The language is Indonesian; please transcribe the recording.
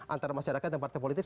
antara masyarakat dan partai politik